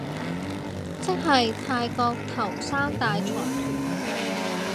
即係泰國頭三大財團